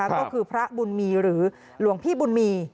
ก็คือพระบุญมีหรือหลวงพี่บุญมี